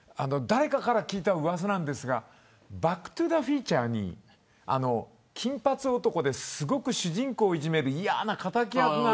誰かから聞いたうわさなんですがバックトゥザフューチャーに金髪男で、すごく主人公をいじめる嫌な敵役が。